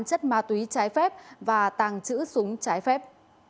chất ma túy trái phép và tàng trữ súng trái phép